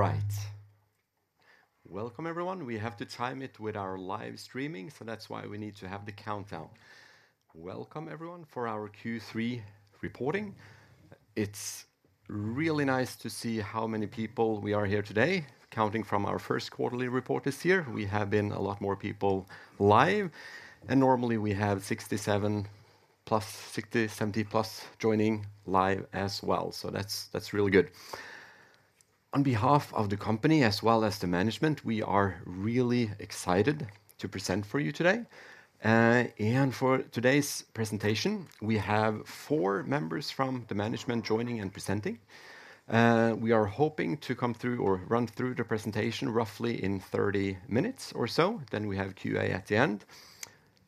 All right. Welcome, everyone. We have to time it with our live streaming, so that's why we need to have the countdown. Welcome, everyone, for our Q3 reporting. It's really nice to see how many people we are here today. Counting from our first quarterly report this year, we have been a lot more people live, and normally we have 67+, 60, 70+ joining live as well, so that's, that's really good. On behalf of the company as well as the management, we are really excited to present for you today. And for today's presentation, we have 4 members from the management joining and presenting. We are hoping to come through or run through the presentation roughly in 30 minutes or so. Then we have Q&A at the end.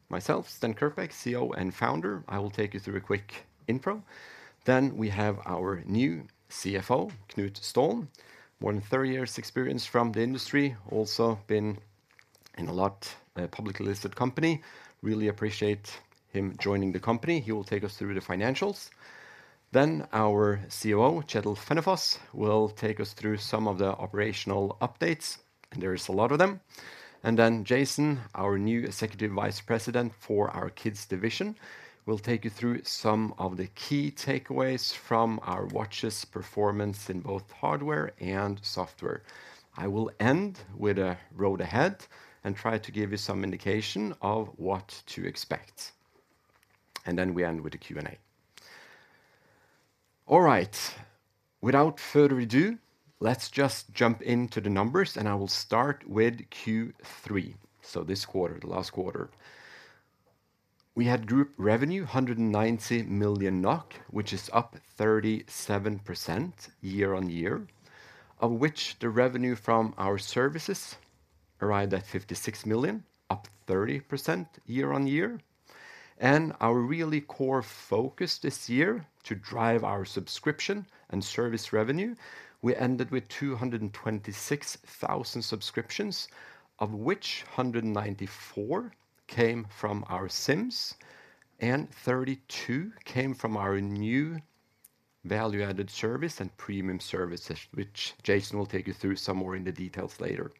Myself, Sten Kirkbak, CEO and Founder, I will take you through a quick intro. Then we have our new CFO, Knut Stålen. More than 30 years experience from the industry, also been in a lot, publicly listed company. Really appreciate him joining the company. He will take us through the financials. Then our COO, Kjetil Fennefoss, will take us through some of the operational updates, and there is a lot of them. And then Jason, our new Executive Vice President for our kids division, will take you through some of the key takeaways from our watches performance in both hardware and software. I will end with a road ahead and try to give you some indication of what to expect. And then we end with the Q&A. All right. Without further ado, let's just jump into the numbers, and I will start with Q3, so this quarter, the last quarter. We had group revenue of 190 million NOK, which is up 37% year-on-year, of which the revenue from our services arrived at 56 million, up 30% year-on-year. Our really core focus this year, to drive our subscription and service revenue, we ended with 226,000 subscriptions, of which 194 came from our SIMs, and 32 came from our new value-added service and premium services, which Jason will take you through some more in the details later.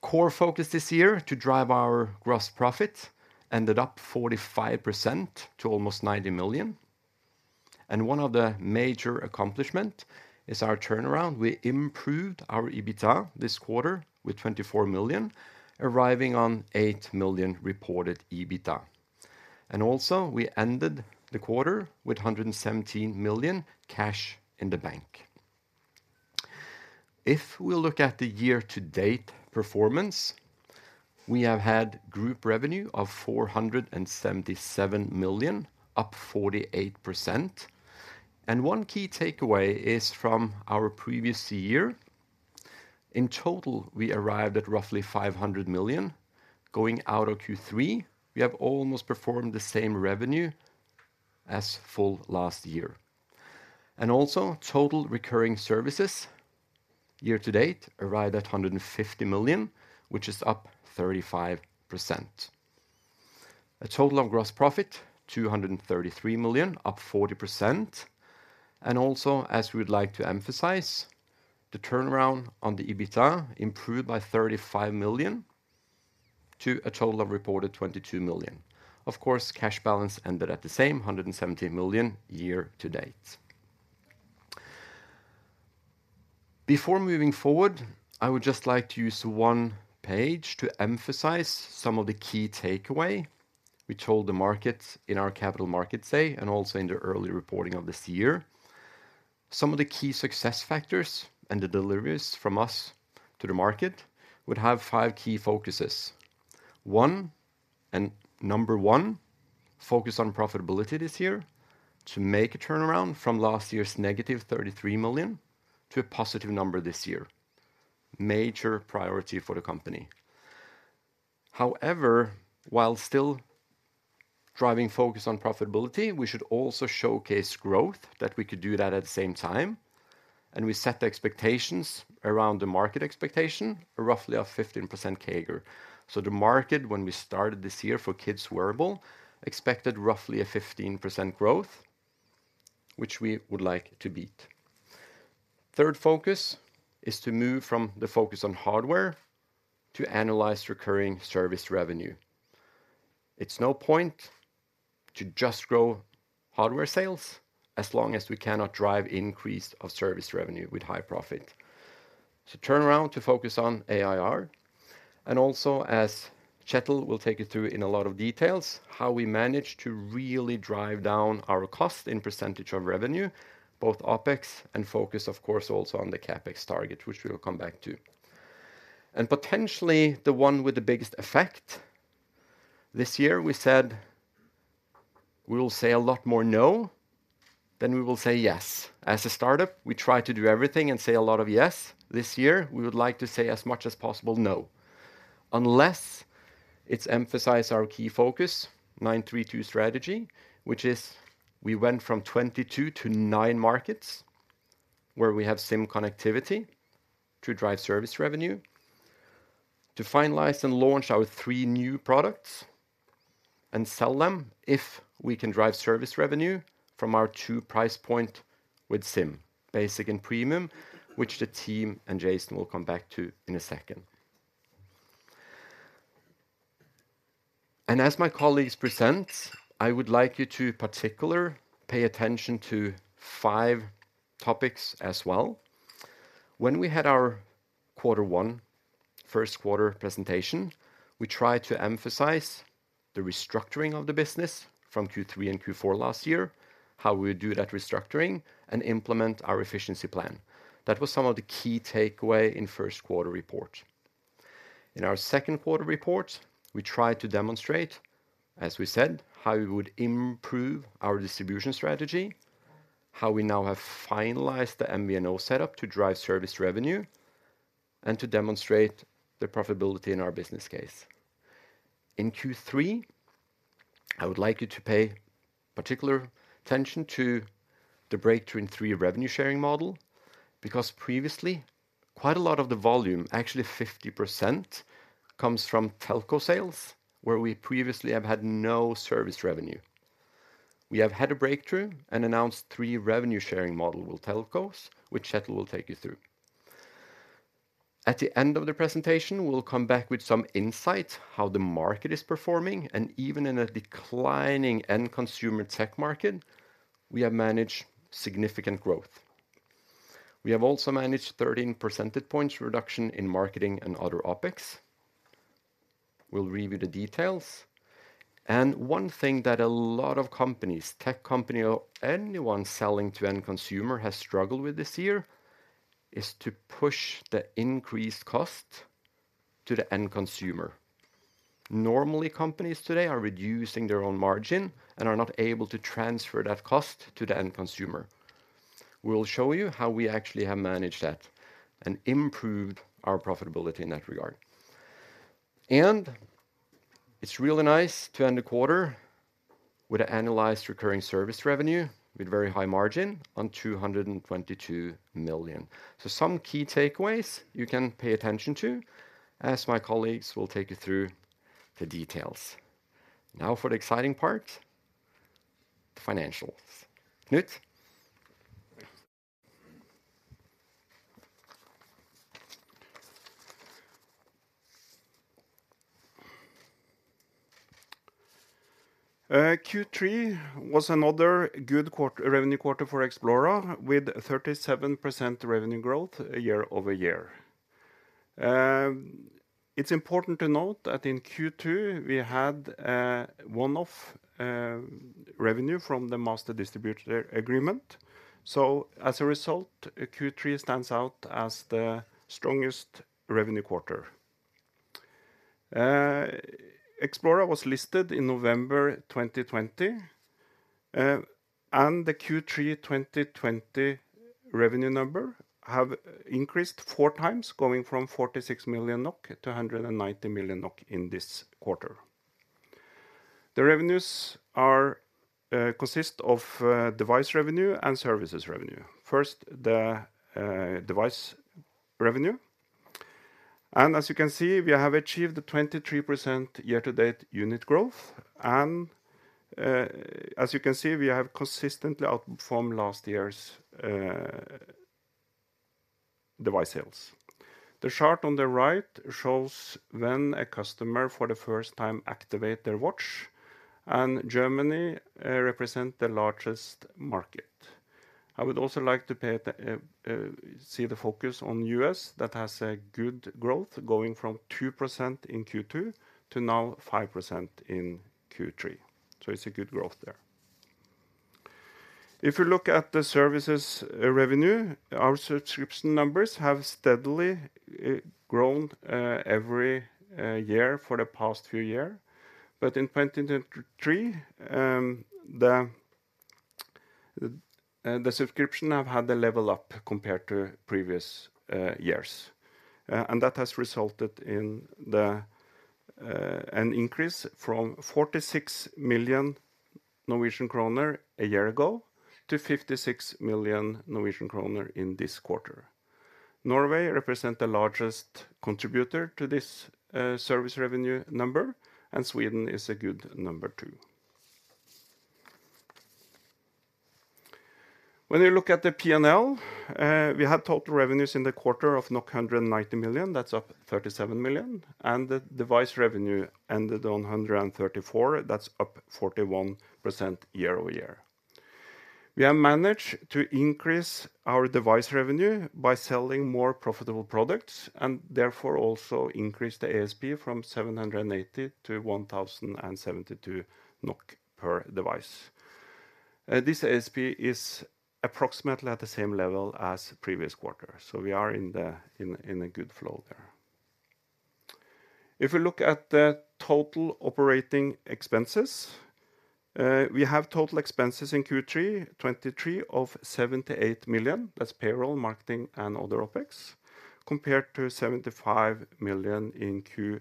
Core focus this year, to drive our gross profit, ended up 45% to almost 90 million. One of the major accomplishment is our turnaround. We improved our EBITDA this quarter with 24 million, arriving on 8 million reported EBITDA. Also, we ended the quarter with 117 million cash in the bank. If we look at the year-to-date performance, we have had group revenue of 477 million, up 48%. One key takeaway is from our previous year. In total, we arrived at roughly 500 million. Going out of Q3, we have almost performed the same revenue as full last year. Also, total recurring services year-to-date arrived at 150 million, which is up 35%. A total of gross profit, 233 million, up 40%. Also, as we would like to emphasize, the turnaround on the EBITDA improved by 35 million to a total of reported 22 million. Of course, cash balance ended at the same, 117 million year-to-date. Before moving forward, I would just like to use one page to emphasize some of the key takeaway we told the market in our capital markets day and also in the early reporting of this year. Some of the key success factors and the deliveries from us to the market would have five key focuses. One, and number one, focus on profitability this year to make a turnaround from last year's -33 million to a positive number this year. Major priority for the company. However, while still driving focus on profitability, we should also showcase growth, that we could do that at the same time, and we set the expectations around the market expectation, roughly of 15% CAGR. So the market, when we started this year for kids wearable, expected roughly a 15% growth, which we would like to beat. Third focus is to move from the focus on hardware to analyze recurring service revenue. It's no point to just grow hardware sales as long as we cannot drive increase of service revenue with high profit. So turn around to focus on ARR, and also, as Kjetil will take you through in a lot of details, how we managed to really drive down our cost in percentage of revenue, both OpEx and focus, of course, also on the CapEx target, which we will come back to. And potentially the one with the biggest effect this year, we said, "We will say a lot more no, than we will say yes." As a startup, we try to do everything and say a lot of yes. This year, we would like to say as much as possible, no. it is to emphasize our key focus, 9-3-2 strategy, which is we went from 22 to 9 markets where we have same connectivity to drive service revenue... to finalize and launch our 3 new products and sell them if we can drive service revenue from our 2 price point with SIM, basic and premium, which the team and Jason will come back to in a second. As my colleagues present, I would like you to particularly pay attention to 5 topics as well. When we had our quarter one, first quarter presentation, we tried to emphasize the restructuring of the business from Q3 and Q4 last year, how we do that restructuring, and implement our efficiency plan. That was some of the key takeaway in first quarter report. In our second quarter report, we tried to demonstrate, as we said, how we would improve our distribution strategy, how we now have finalized the MVNO setup to drive service revenue, and to demonstrate the profitability in our business case. In Q3, I would like you to pay particular attention to the breakthrough in three revenue-sharing model, because previously, quite a lot of the volume, actually 50%, comes from telco sales, where we previously have had no service revenue. We have had a breakthrough and announced three revenue-sharing model with telcos, which Kjetil will take you through. At the end of the presentation, we will come back with some insight how the market is performing, and even in a declining end consumer tech market, we have managed significant growth. We have also managed 13 percentage points reduction in marketing and other OpEx. We'll review the details. One thing that a lot of companies, tech company or anyone selling to end consumer, has struggled with this year is to push the increased cost to the end consumer. Normally, companies today are reducing their own margin and are not able to transfer that cost to the end consumer. We will show you how we actually have managed that and improved our profitability in that regard. It's really nice to end a quarter with annualized recurring service revenue with very high margin on 222 million. Some key takeaways you can pay attention to as my colleagues will take you through the details. Now for the exciting part, the financials. Knut? Q3 was another good quarter revenue quarter for Xplora, with 37% revenue growth year-over-year. It's important to note that in Q2, we had one-off revenue from the master distributor agreement. So as a result, Q3 stands out as the strongest revenue quarter. Xplora was listed in November 2020, and the Q3 2020 revenue number have increased 4x, going from 46 million NOK to 190 million NOK in this quarter. The revenues are consist of device revenue and services revenue. First, the device revenue. And as you can see, we have achieved a 23% year-to-date unit growth, and as you can see, we have consistently outperformed last year's device sales. The chart on the right shows when a customer, for the first time, activate their watch, and Germany represent the largest market. I would also like to see the focus on U.S., that has a good growth, going from 2% in Q2 to now 5% in Q3. So it's a good growth there. If you look at the services revenue, our subscription numbers have steadily grown every year for the past few year. But in 2023, the subscription have had a level up compared to previous years. And that has resulted in an increase from 46 million Norwegian kroner a year ago to 56 million Norwegian kroner in this quarter. Norway represent the largest contributor to this service revenue number, and Sweden is a good number, too. When you look at the P&L, we had total revenues in the quarter of 190 million, that's up 37 million, and the device revenue ended on 134 million, that's up 41% year-over-year. We have managed to increase our device revenue by selling more profitable products, and therefore also increase the ASP from 780-1,072 NOK per device. This ASP is approximately at the same level as previous quarter, so we are in a good flow there. If you look at the total operating expenses, we have total expenses in Q3 2023 of 78 million. That's payroll, marketing, and other OpEx, compared to 75 million in Q3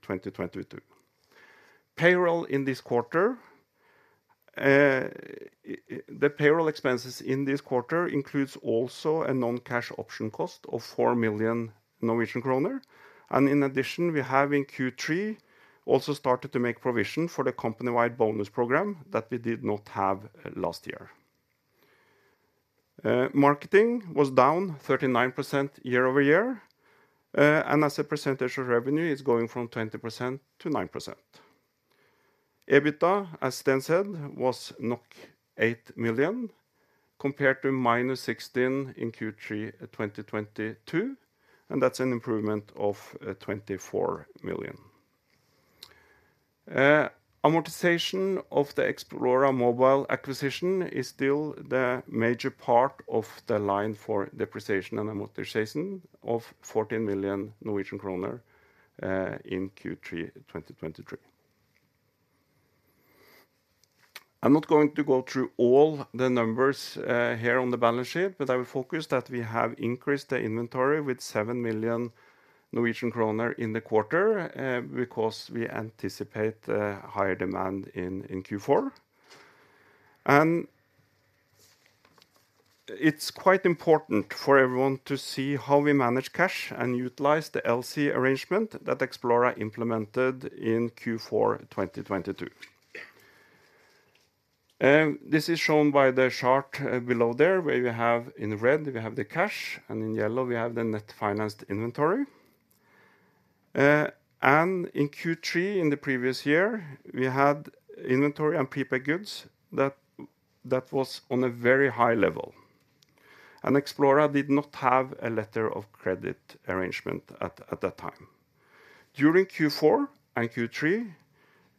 2022. Payroll in this quarter... The payroll expenses in this quarter includes also a non-cash option cost of 4 million Norwegian kroner. In addition, we have in Q3 also started to make provision for the company-wide bonus program that we did not have last year. Marketing was down 39% year-over-year, and as a percentage of revenue, it's going from 20% to 9%. EBITDA, as Sten said, was NOK 8 million, compared to -16 million in Q3 2022, and that's an improvement of 24 million. Amortization of the Xplora Mobile acquisition is still the major part of the line for depreciation and amortization of 14 million Norwegian kroner in Q3 2023. I'm not going to go through all the numbers here on the balance sheet, but I will focus that we have increased the inventory with 7 million Norwegian kroner in the quarter because we anticipate a higher demand in Q4. It's quite important for everyone to see how we manage cash and utilize the LC arrangement that Xplora implemented in Q4 2022. This is shown by the chart below there, where we have in red, we have the cash, and in yellow, we have the net financed inventory. And in Q3, in the previous year, we had inventory and prepaid goods that was on a very high level, and Xplora did not have a letter of credit arrangement at that time. During Q4 and Q3,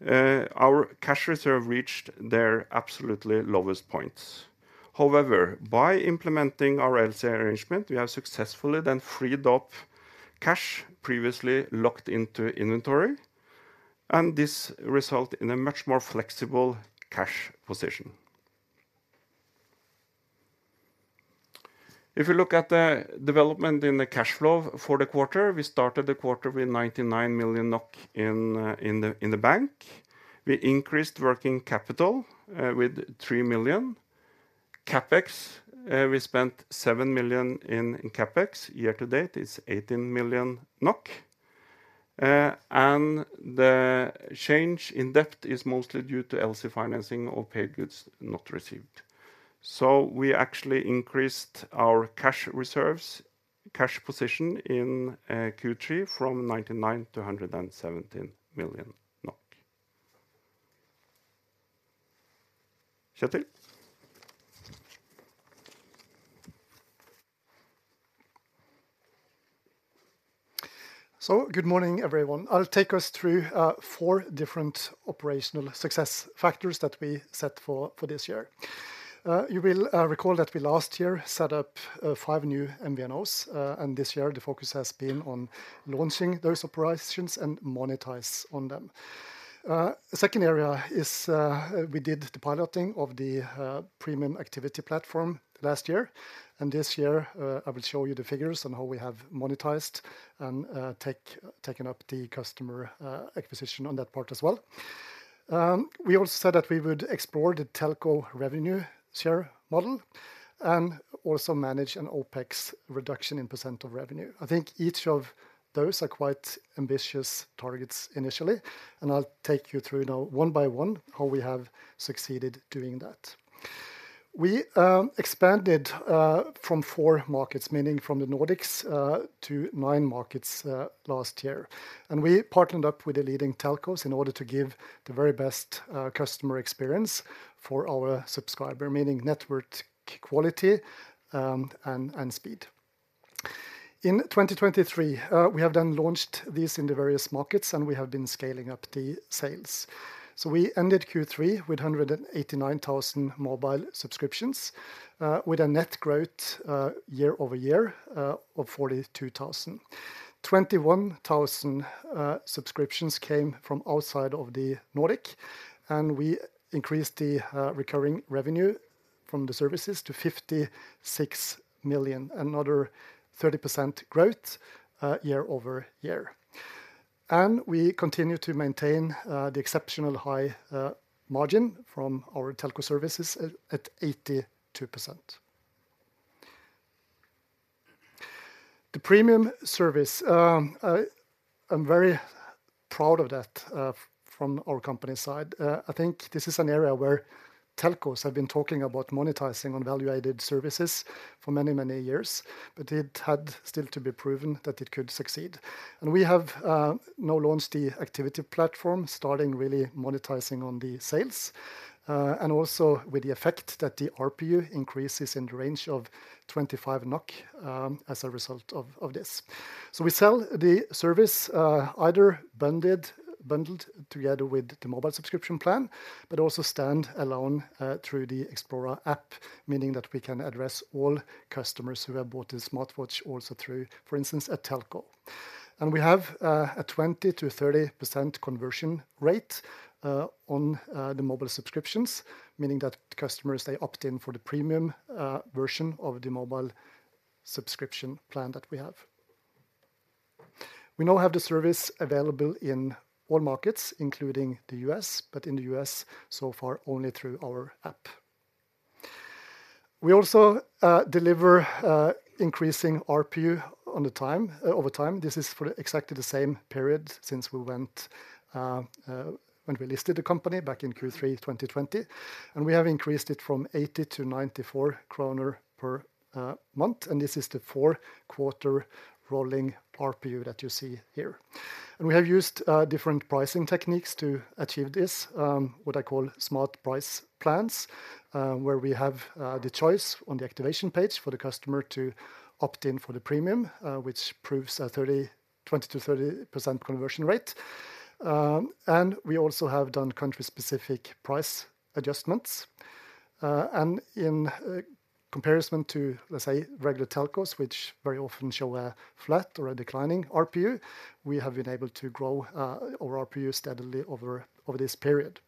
our cash reserve reached their absolutely lowest points. However, by implementing our LC arrangement, we have successfully then freed up cash previously locked into inventory, and this result in a much more flexible cash position. If you look at the development in the cash flow for the quarter, we started the quarter with 99 million NOK in the bank. We increased working capital with 3 million. CapEx, we spent 7 million in CapEx. Year to date, it's 18 million NOK. And the change in debt is mostly due to LC financing of paid goods not received. So we actually increased our cash reserves, cash position in Q3 from 99 million to 117 million. Kjetil? So good morning, everyone. I'll take us through four different operational success factors that we set for this year. You will recall that we last year set up five new MVNOs, and this year the focus has been on launching those operations and monetize on them. The second area is we did the piloting of the premium activity platform last year, and this year I will show you the figures on how we have monetized and taken up the customer acquisition on that part as well. We also said that we would explore the telco revenue share model and also manage an OpEx reduction in % of revenue. I think each of those are quite ambitious targets initially, and I'll take you through now, one by one, how we have succeeded doing that. We expanded from 4 markets, meaning from the Nordics, to 9 markets last year. We partnered up with the leading telcos in order to give the very best customer experience for our subscriber, meaning network quality and speed. In 2023 we have then launched this in the various markets, and we have been scaling up the sales. We ended Q3 with 189,000 mobile subscriptions with a net growth year-over-year of 42,000. 21,000 subscriptions came from outside of the Nordics, and we increased the recurring revenue from the services to 56 million, another 30% growth year-over-year. We continue to maintain the exceptional high margin from our telco services at 82%. The premium service, I'm very proud of that, from our company side. I think this is an area where telcos have been talking about monetizing on value-added services for many, many years, but it had still to be proven that it could succeed. We have now launched the activity platform, starting really monetizing on the sales, and also with the effect that the ARPU increases in the range of 25 NOK, as a result of this. We sell the service, either bundled together with the mobile subscription plan, but also stand alone, through the Xplora app, meaning that we can address all customers who have bought a smartwatch also through, for instance, a telco. We have a 20%-30% conversion rate on the mobile subscriptions, meaning that customers they opt in for the premium version of the mobile subscription plan that we have. We now have the service available in all markets, including the U.S., but in the U.S. so far, only through our app. We also deliver increasing ARPU over time. This is for exactly the same period since we went when we listed the company back in Q3 2020, and we have increased it from 80-94 kroner per month, and this is the four-quarter rolling ARPU that you see here. We have used different pricing techniques to achieve this, what I call smart price plans, where we have the choice on the activation page for the customer to opt in for the premium, which proves a 20%-30% conversion rate. We also have done country-specific price adjustments. In comparison to, let's say, regular telcos, which very often show a flat or a declining ARPU, we have been able to grow our ARPU steadily over, over this period.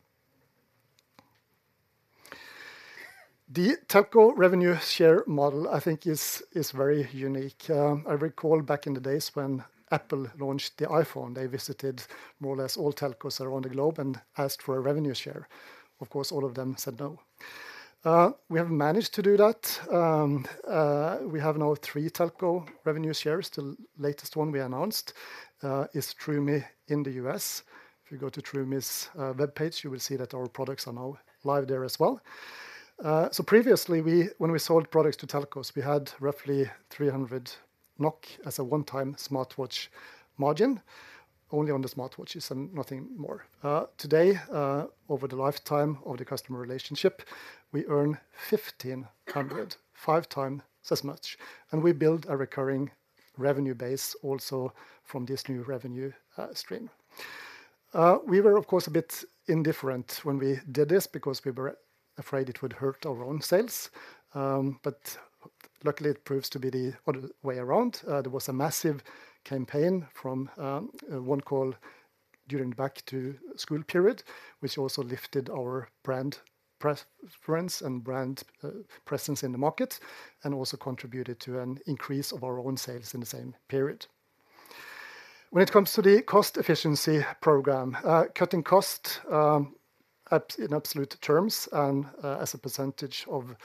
The telco revenue share model, I think, is very unique. I recall back in the days when Apple launched the iPhone, they visited more or less all telcos around the globe and asked for a revenue share. Of course, all of them said no. We have managed to do that. We have now three telco revenue shares. The latest one we announced is Troomi in the U.S. If you go to Troomi's webpage, you will see that our products are now live there as well. So previously, when we sold products to telcos, we had roughly 300 NOK as a one-time smartwatch margin, only on the smartwatches and nothing more. Today, over the lifetime of the customer relationship, we earn 1,500, five times as much, and we build a recurring revenue base also from this new revenue stream. We were, of course, a bit indifferent when we did this because we were afraid it would hurt our own sales. But luckily, it proves to be the other way around. There was a massive campaign from OneCall during back-to-school period, which also lifted our brand preference and brand presence in the market, and also contributed to an increase of our own sales in the same period. When it comes to the cost efficiency program, cutting cost at in absolute terms and as a percentage of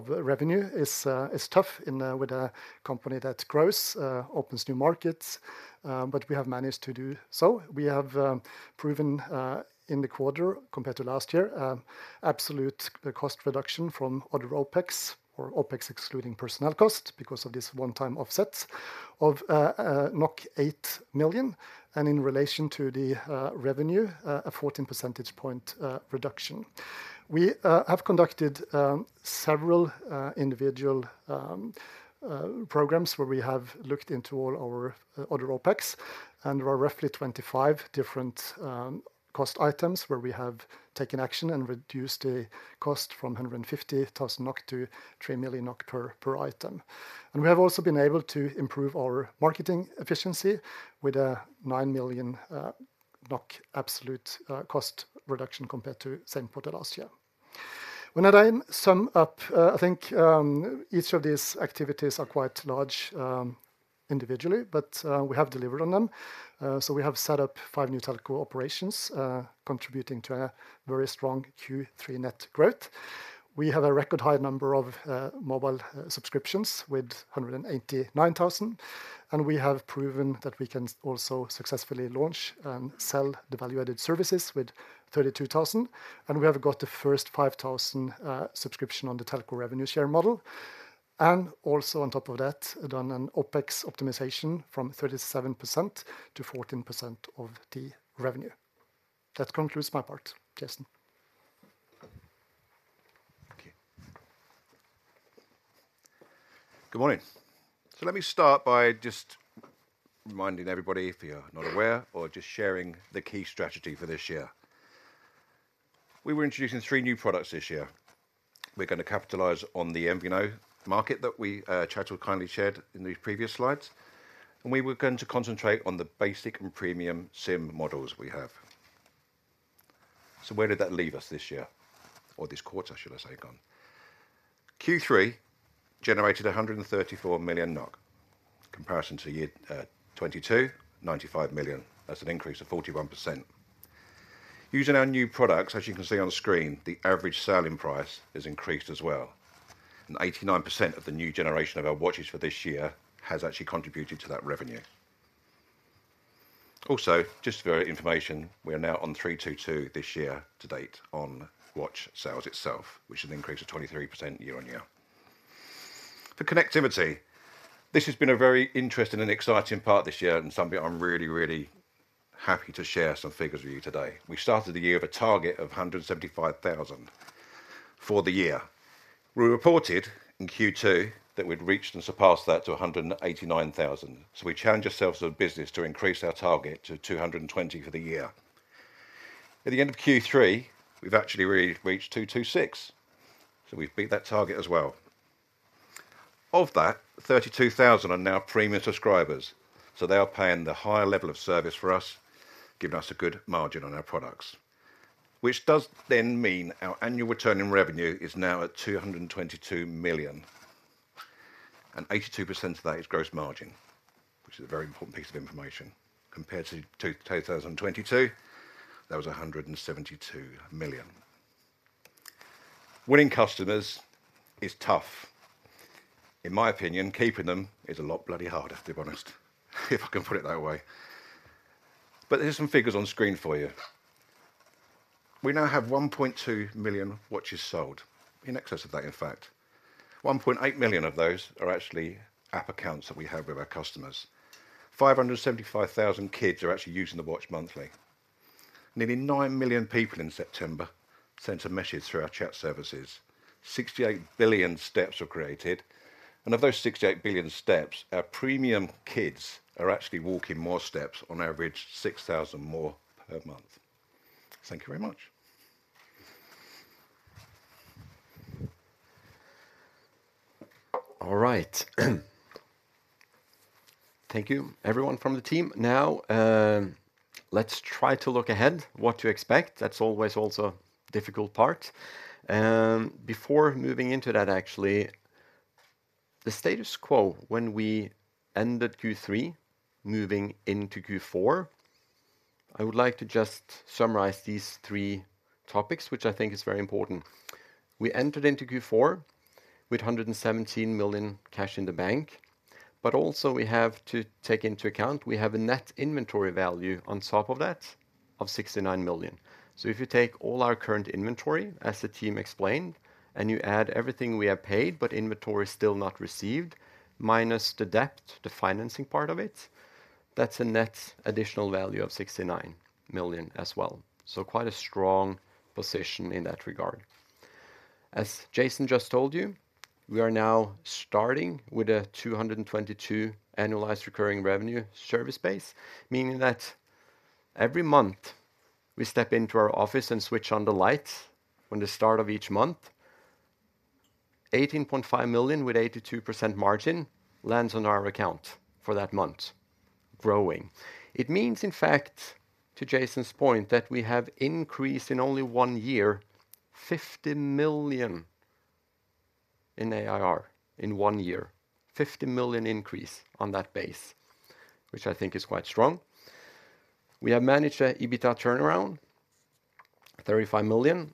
revenue is tough in a with a company that grows opens new markets, but we have managed to do so. We have proven in the quarter, compared to last year, absolute cost reduction from other OpEx or OpEx, excluding personnel cost, because of this one-time offsets of 8 million, and in relation to the revenue, a 14 percentage point reduction. We have conducted several individual programs where we have looked into all our other OpEx, and there are roughly 25 different cost items, where we have taken action and reduced the cost from 150,000 NOK to 3 million NOK per item. We have also been able to improve our marketing efficiency with a 9 million NOK absolute cost reduction compared to same quarter last year. When I then sum up, I think each of these activities are quite large individually, but we have delivered on them. We have set up five new telco operations contributing to a very strong Q3 net growth. We have a record high number of mobile subscriptions with 189,000, and we have proven that we can also successfully launch and sell the value-added services with 32,000. And we have got the first 5,000 subscription on the telco revenue share model, and also on top of that, done an OpEx optimization from 37% to 14% of the revenue. That concludes my part. Jason? Thank you. Good morning. So let me start by just reminding everybody, if you're not aware, or just sharing the key strategy for this year. We were introducing three new products this year. We're gonna capitalize on the MVNO market that we, Kjetil kindly shared in the previous slides, and we were going to concentrate on the basic and premium SIM models we have. So where did that leave us this year or this quarter, should I say again? Q3 generated 134 million NOK, comparison to year 2022, 95 million. That's an increase of 41%. Using our new products, as you can see on screen, the average selling price has increased as well, and 89% of the new generation of our watches for this year has actually contributed to that revenue. Also, just for your information, we are now on 322 this year to date on watch sales itself, which is an increase of 23% year-on-year. For connectivity, this has been a very interesting and exciting part this year and something I'm really, really happy to share some figures with you today. We started the year of a target of 175,000 for the year. We reported in Q2 that we'd reached and surpassed that to 189,000. So we challenged ourselves as a business to increase our target to 220 for the year. At the end of Q3, we've actually reached 226, so we've beat that target as well. Of that, 32,000 are now premium subscribers, so they are paying the higher level of service for us, giving us a good margin on our products, which does then mean our annual returning revenue is now at 222 million, and 82% of that is gross margin, which is a very important piece of information. Compared to 2022, that was 172 million. Winning customers is tough. In my opinion, keeping them is a lot bloody harder, to be honest, if I can put it that way. But here are some figures on screen for you. We now have 1.2 million watches sold, in excess of that, in fact. 1.8 million of those are actually app accounts that we have with our customers. 575,000 kids are actually using the watch monthly. Nearly 9 million people in September sent a message through our chat services. 68 billion steps were created, and of those 68 billion steps, our premium kids are actually walking more steps, on average, 6,000 more per month. Thank you very much. All right. Thank you, everyone from the team. Now, let's try to look ahead, what to expect. That's always also difficult part. Before moving into that, actually, the status quo when we ended Q3, moving into Q4, I would like to just summarize these three topics, which I think is very important. We entered into Q4 with 117 million cash in the bank, but also we have to take into account, we have a net inventory value on top of that, of 69 million. So if you take all our current inventory, as the team explained, and you add everything we have paid, but inventory is still not received, minus the debt, the financing part of it, that's a net additional value of 69 million as well. So quite a strong position in that regard. As Jason just told you, we are now starting with a 222 annualized recurring revenue service base, meaning that every month, we step into our office and switch on the light. When, at the start of each month, 18.5 million, with 82% margin, lands on our account for that month, growing. It means, in fact, to Jason's point, that we have increased in only one year, 50 million in ARR, in one year. 50 million increase on that base, which I think is quite strong. We have managed an EBITDA turnaround, 35 million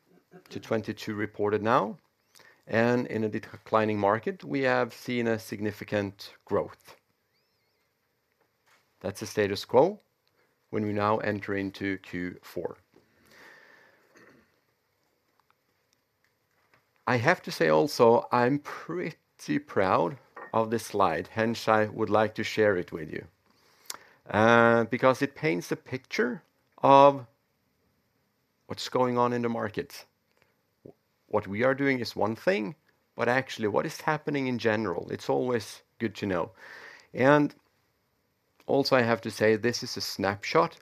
to 22 reported now, and in a declining market, we have seen a significant growth. That's the status quo when we now enter into Q4. I have to say also, I'm pretty proud of this slide, hence I would like to share it with you, because it paints a picture of what's going on in the market. What we are doing is one thing, but actually, what is happening in general, it's always good to know. Also, I have to say, this is a snapshot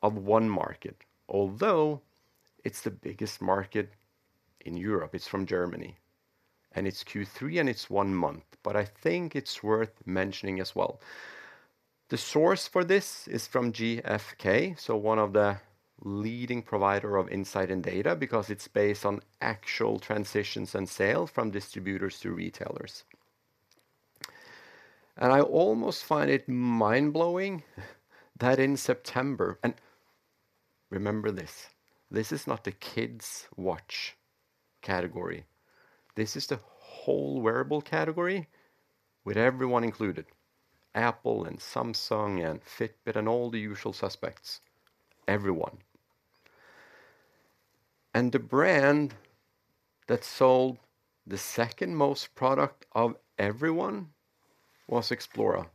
of one market, although it's the biggest market in Europe. It's from Germany, and it's Q3, and it's one month, but I think it's worth mentioning as well. The source for this is from GfK, so one of the leading provider of insight and data, because it's based on actual transitions and sales from distributors to retailers. I almost find it mind-blowing that in September... Remember this, this is not the kids' watch category. This is the whole wearable category, with everyone included: Apple and Samsung and Fitbit and all the usual suspects. Everyone. The brand that sold the second most product of everyone was Xplora.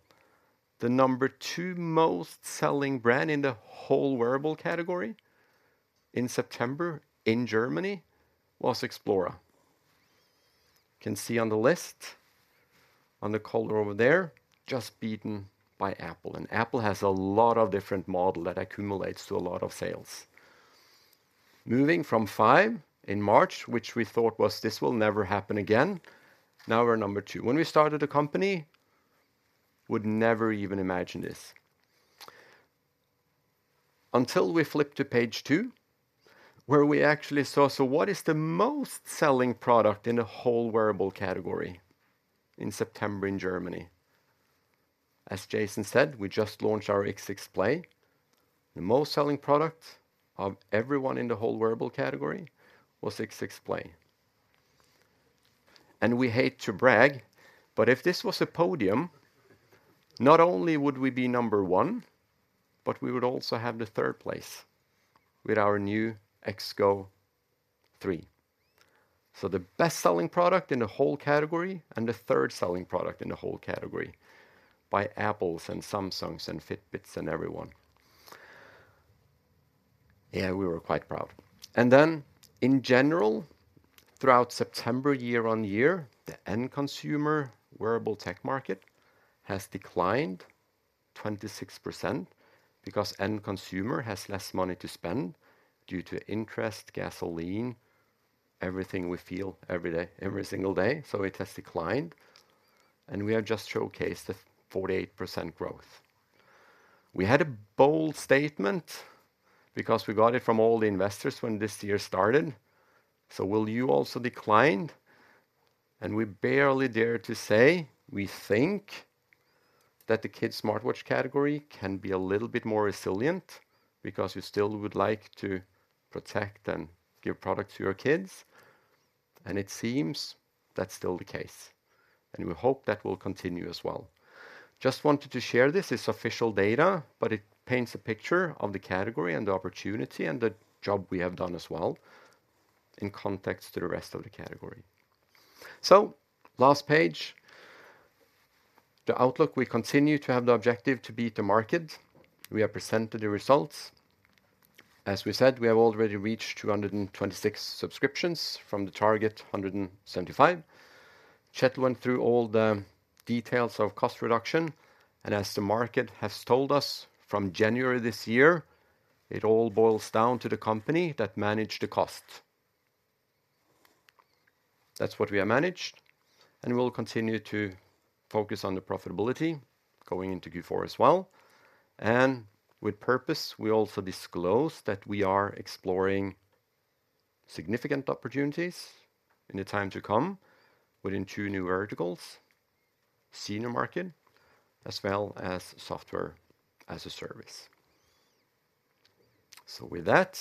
The number two most selling brand in the whole wearable category in September, in Germany, was Xplora. You can see on the list, on the column over there, just beaten by Apple, and Apple has a lot of different model that accumulates to a lot of sales. Moving from 5 in March, which we thought was, "This will never happen again," now we're number two. When we started the company, would never even imagine this. Until we flip to page 2, where we actually saw, so what is the most selling product in the whole wearable category in September in Germany? As Jason said, we just launched our X6 Play. The most selling product of everyone in the whole wearable category was X6 Play. We hate to brag, but if this was a podium, not only would we be number 1, but we would also have the third place with our new XGO3. The best-selling product in the whole category and the third-selling product in the whole category by Apple, Samsung, and Fitbit and everyone., we were quite proud. In general, throughout September, year-on-year, the end consumer wearable tech market has declined 26% because end consumer has less money to spend due to interest, gasoline, everything we feel every day, every single day, so it has declined, and we have just showcased the 48% growth... We had a bold statement because we got it from all the investors when this year started. Will you also decline? We barely dare to say, we think that the kids' smartwatch category can be a little bit more resilient, because you still would like to protect and give products to your kids, and it seems that's still the case, and we hope that will continue as well. Just wanted to share this. It's official data, but it paints a picture of the category, and the opportunity, and the job we have done as well, in context to the rest of the category. Last page, the outlook, we continue to have the objective to beat the market. We have presented the results. As we said, we have already reached 226 subscriptions from the target 175. Kjetil went through all the details of cost reduction, and as the market has told us from January this year, it all boils down to the company that managed the cost. That's what we have managed, and we will continue to focus on the profitability going into Q4 as well. And with purpose, we also disclose that we are exploring significant opportunities in the time to come within two new verticals, senior market as well as software as a service. So with that,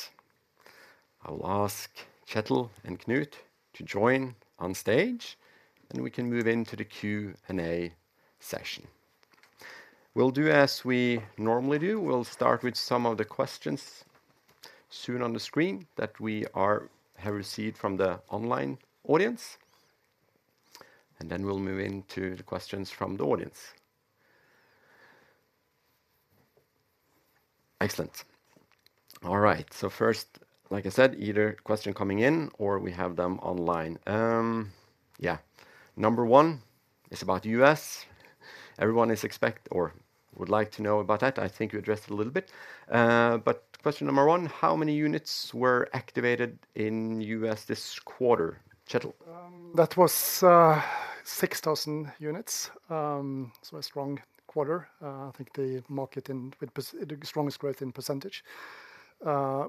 I will ask Kjetil and Knut to join on stage, and we can move into the Q&A session. We'll do as we normally do. We'll start with some of the questions shown on the screen that we have received from the online audience, and then we'll move into the questions from the audience. Excellent. All right. So first, like I said, either question coming in or we have them online.. Number one is about U.S. Everyone is expect or would like to know about that. I think you addressed it a little bit, but question number one: how many units were activated in U.S. this quarter, Kjetil? That was 6,000 units. So a strong quarter. I think the market in with perhaps the strongest growth in percentage.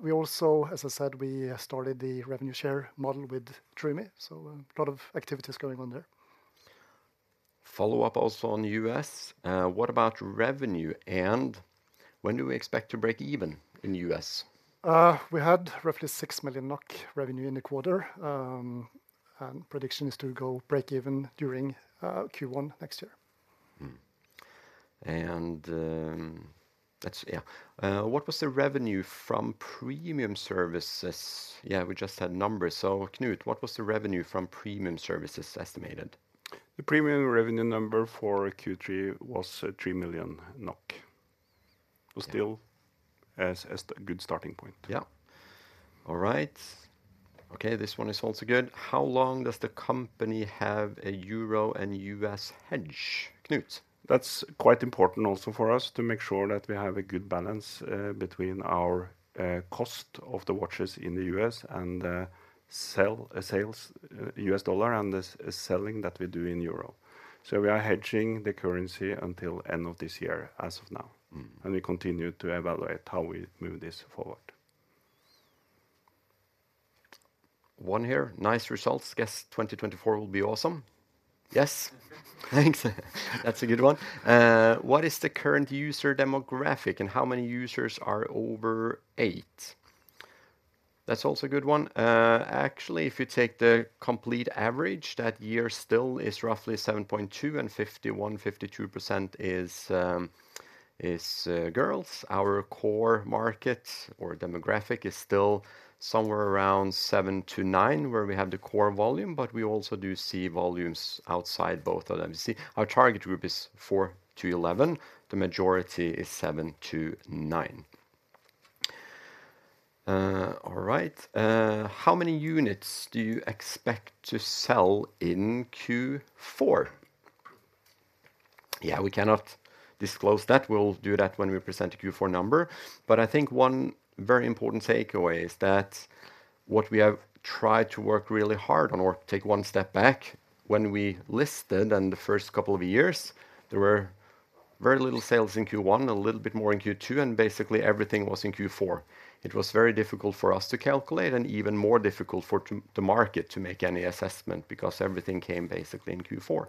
We also, as I said, we started the revenue share model with Troomi, so a lot of activities going on there. Follow-up also on U.S. What about revenue, and when do we expect to break even in U.S.? We had roughly 6 million NOK revenue in the quarter. Prediction is to go break even during Q1 next year. Mm-hmm. And,, what was the revenue from premium services? We just had numbers. So, Knut, what was the revenue from premium services estimated? The premium revenue number for Q3 was 3 million NOK. Still a good starting point. All right. Okay, this one is also good. How long does the company have a euro and U.S. hedge? Knut. That's quite important also for us to make sure that we have a good balance between our cost of the watches in the U.S. and sales U.S. dollar and the selling that we do in euro. So we are hedging the currency until end of this year, as of now. Mm-hmm. We continue to evaluate how we move this forward. One here, nice results. Guess 2024 will be awesome. Yes. Thanks. That's a good one. What is the current user demographic and how many users are over eight? That's also a good one. Actually, if you take the complete average, that age still is roughly 7.2, and 51%-52% is girls. Our core market or demographic is still somewhere around 7-9, where we have the core volume, but we also do see volumes outside both of them. You see, our target group is 4-11. The majority is 7-9. All right. How many units do you expect to sell in Q4?, we cannot disclose that. We'll do that when we present the Q4 number. But I think one very important takeaway is that what we have tried to work really hard on, or take one step back, when we listed and the first couple of years, there were very little sales in Q1, a little bit more in Q2, and basically everything was in Q4. It was very difficult for us to calculate and even more difficult for the market to make any assessment because everything came basically in Q4.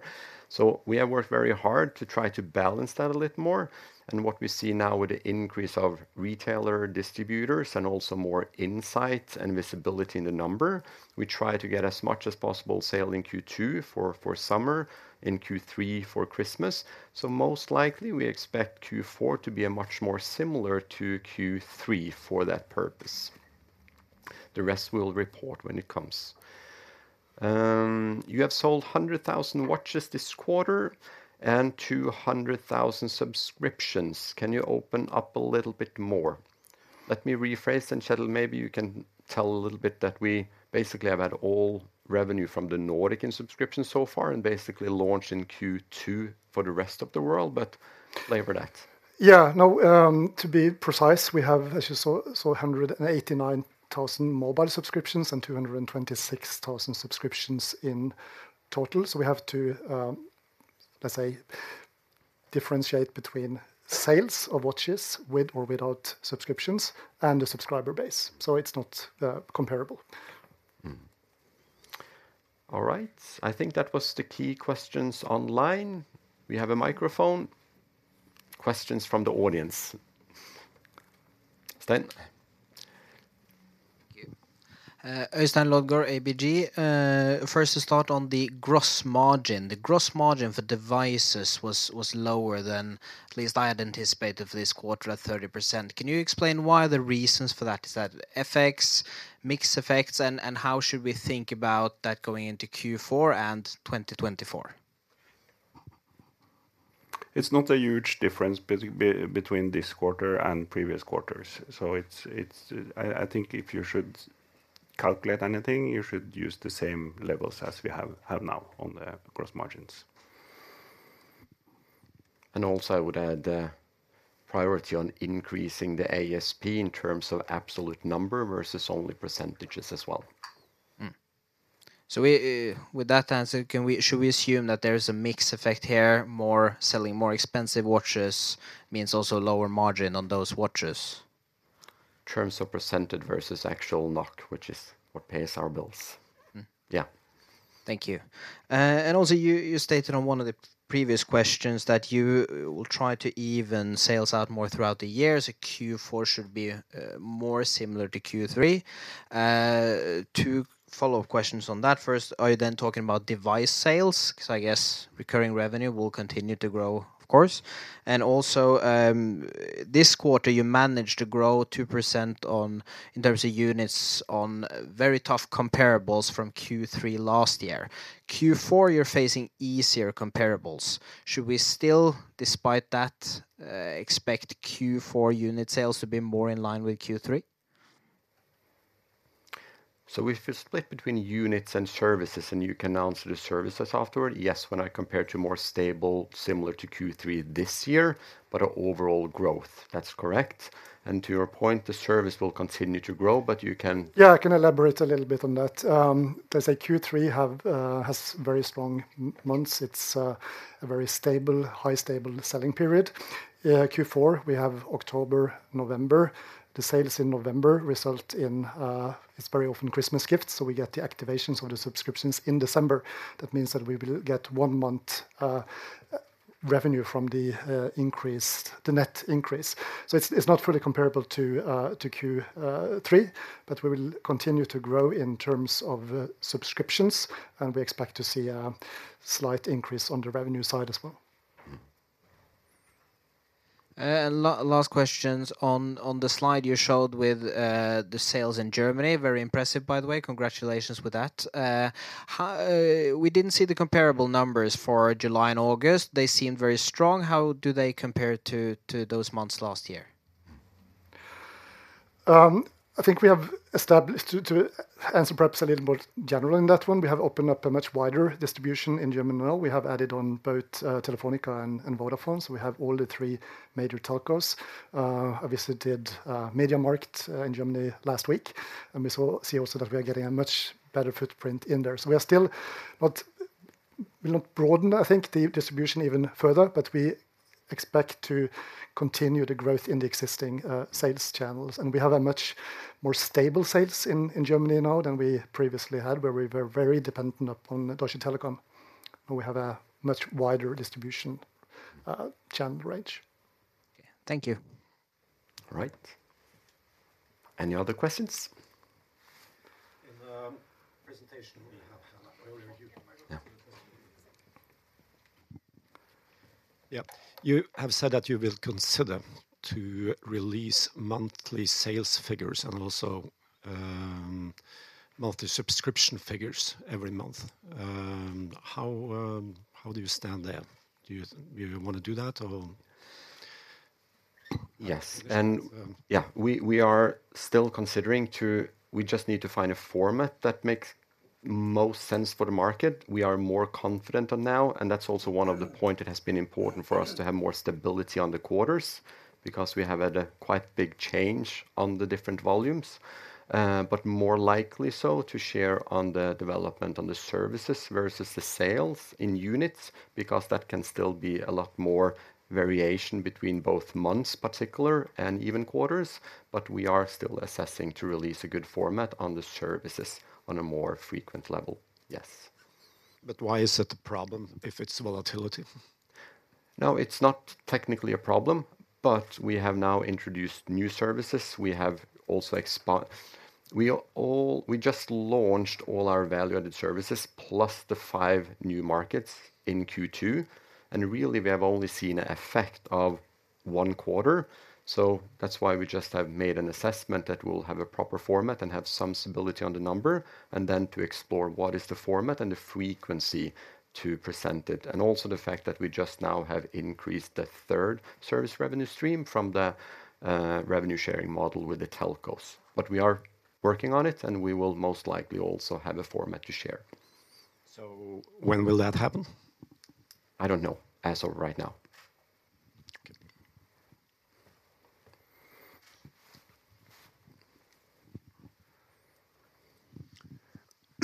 So we have worked very hard to try to balance that a little more. And what we see now with the increase of retailer distributors and also more insight and visibility in the number, we try to get as much as possible sale in Q2 for summer, in Q3 for Christmas. So most likely, we expect Q4 to be a much more similar to Q3 for that purpose. The rest we'll report when it comes. You have sold 100,000 watches this quarter and 200,000 subscriptions. Can you open up a little bit more? Let me rephrase, and, Kjetil, maybe you can tell a little bit, that we basically have had all revenue from the Nordic in subscription so far, and basically launch in Q2 for the rest of the world, but elaborate that.. No, to be precise, we have, as you saw, 189,000 mobile subscriptions and 226,000 subscriptions in total. So we have to, let's say, differentiate between sales of watches with or without subscriptions and the subscriber base, so it's not comparable. All right. I think that was the key questions online. We have a microphone. Questions from the audience. Sten? Thank you. Øystein Lodgaard, ABG. First to start on the gross margin. The gross margin for devices was lower than at least I had anticipated for this quarter at 30%. Can you explain why the reasons for that? Is that FX, mix effects, and how should we think about that going into Q4 and 2024? It's not a huge difference between this quarter and previous quarters, so it's, I think if you should calculate anything, you should use the same levels as we have now on the gross margins. And also, I would add, priority on increasing the ASP in terms of absolute number versus only percentages as well. With that answer, should we assume that there is a mix effect here, more selling more expensive watches means also lower margin on those watches? Terms of percentage versus actual NOK, which is what pays our bills. Thank you. And also, you, you stated on one of the previous questions that you will try to even sales out more throughout the years, so Q4 should be more similar to Q3. Two follow-up questions on that. First, are you then talking about device sales? Because I guess recurring revenue will continue to grow, of course. And also, this quarter, you managed to grow 2% on in terms of units on very tough comparables from Q3 last year. Q4, you're facing easier comparables. Should we still, despite that, expect Q4 unit sales to be more in line with Q3? So if you split between units and services, and you can answer the services afterward, yes, when I compare to more stable, similar to Q3 this year, but an overall growth. That's correct. To your point, the service will continue to grow, but you can- I can elaborate a little bit on that. As I say, Q3 have has very strong months. It's a very stable, high stable selling period. Q4, we have October, November. The sales in November result in It's very often Christmas gifts, so we get the activations on the subscriptions in December. That means that we will get one month revenue from the increase, the net increase. So it's, it's not fully comparable to to Q three, but we will continue to grow in terms of subscriptions, and we expect to see a slight increase on the revenue side as well. Last questions. On the slide you showed with the sales in Germany, very impressive, by the way. Congratulations with that. How... We didn't see the comparable numbers for July and August. They seemed very strong. How do they compare to those months last year? I think we have established to answer perhaps a little more general in that one. We have opened up a much wider distribution in Germany now. We have added on both Telefónica and Vodafone, so we have all the three major telcos. I visited MediaMarkt in Germany last week, and we see also that we are getting a much better footprint in there. So we will not broaden, I think, the distribution even further, but we expect to continue the growth in the existing sales channels. And we have a much more stable sales in Germany now than we previously had, where we were very dependent upon Deutsche Telekom, and we have a much wider distribution channel range. Thank you. All right. Any other questions? In the presentation, we have had earlier. You have said that you will consider to release monthly sales figures and also monthly subscription figures every month. How do you stand there? Do you wanna do that, or? Yes. We are still considering to we just need to find a format that makes most sense for the market. We are more confident on now, and that's also one of the point it has been important for us to have more stability on the quarters, because we have had a quite big change on the different volumes. But more likely so to share on the development on the services versus the sales in units, because that can still be a lot more variation between both months particular and even quarters. But we are still assessing to release a good format on the services on a more frequent level. Yes. But why is it a problem if it's volatility? No, it's not technically a problem, but we have now introduced new services. We have also just launched all our value-added services, plus the 5 new markets in Q2, and really, we have only seen an effect of 1 quarter. So that's why we just have made an assessment that we'll have a proper format and have some stability on the number, and then to explore what is the format and the frequency to present it. And also the fact that we just now have increased the third service revenue stream from the revenue sharing model with the telcos. But we are working on it, and we will most likely also have a format to share. When will that happen? I don't know, as of right now.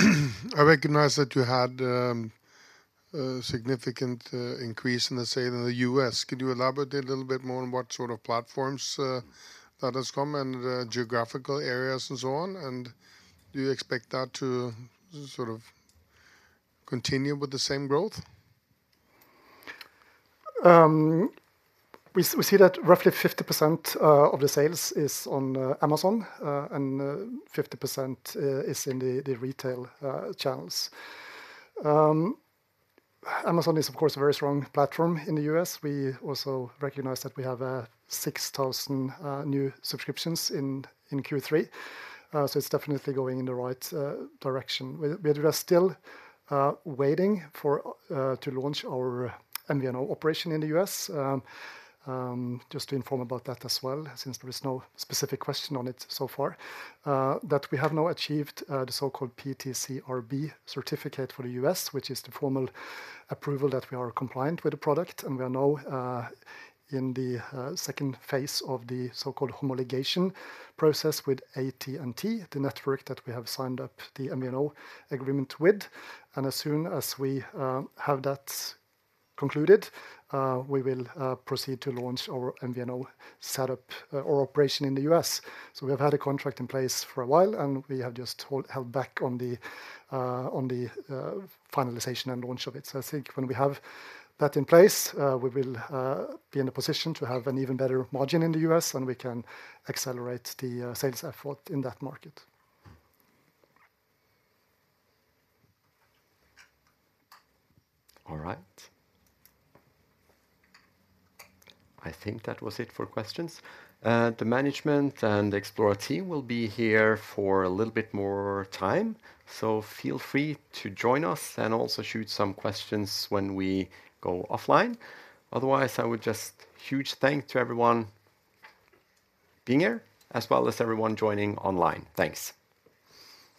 I recognize that you had a significant increase in the sales in the U.S. Could you elaborate a little bit more on what sort of platforms that has come, and geographical areas, and so on? Do you expect that to sort of continue with the same growth? We see that roughly 50% of the sales is on Amazon, and 50% is in the retail channels. Amazon is, of course, a very strong platform in the U.S. We also recognize that we have 6,000 new subscriptions in Q3. So it's definitely going in the right direction. We are still waiting for to launch our MVNO operation in the U.S. Just to inform about that as well, since there is no specific question on it so far, that we have now achieved the so-called PTCRB certificate for the U.S., which is the formal approval that we are compliant with the product. We are now in the second phase of the so-called homologation process with AT&T, the network that we have signed up the MVNO agreement with. As soon as we have that concluded, we will proceed to launch our MVNO setup or operation in the U.S. We have had a contract in place for a while, and we have just held back on the finalization and launch of it. I think when we have that in place, we will be in a position to have an even better margin in the U.S., and we can accelerate the sales effort in that market. All right. I think that was it for questions. The management and Xplora team will be here for a little bit more time, so feel free to join us and also shoot some questions when we go offline. Otherwise, I would just huge thanks to everyone being here, as well as everyone joining online. Thanks!